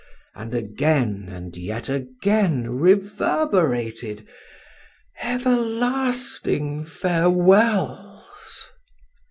And again and yet again reverberated—everlasting farewells!